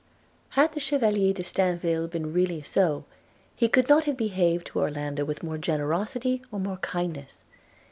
Had the Chevalier de Stainville been really so, he could not have behaved to Orlando with more generosity, or more kindness.